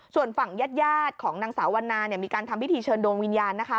ส่วนฝั่งญาติของนางสาววันนาเนี่ยมีการทำพิธีเชิญดวงวิญญาณนะคะ